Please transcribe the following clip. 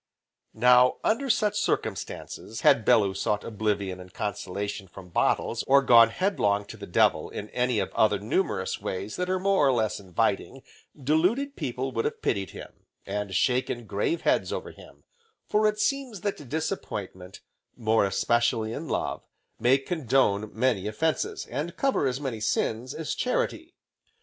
Now under such circumstances, had Bellew sought oblivion and consolation from bottles, or gone headlong to the devil in any of other numerous ways that are more or less inviting, deluded people would have pitied him, and shaken grave heads over him; for it seems that disappointment (more especially in love) may condone many offences, and cover as many sins as Charity.